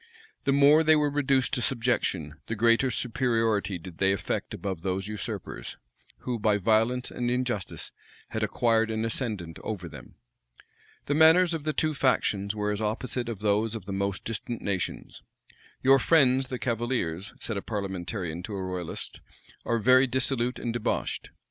The more they were reduced to subjection, the greater superiority did they affect above those usurpers, who, by violence and injustice, had acquired an ascendant over them. The manners of the two factions were as opposite as those of the most distant nations. "Your friends, the cavaliers," said a parliamentarian to a royalist, "are very dissolute and debauched."